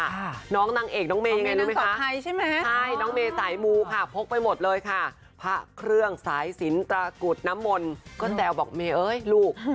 อันนี้เป็นหมอผีหรืออันไงลูก